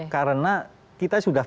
karena kita sudah